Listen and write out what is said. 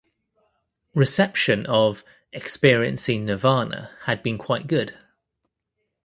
Reception of "Experiencing Nirvana" had been quite good.